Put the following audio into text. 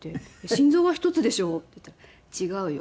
「心臓は１つでしょ」って言ったら「違うよ。